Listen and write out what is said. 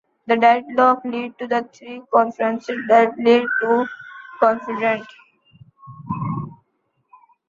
The deadlock lead to the three conferences that lead to confederation.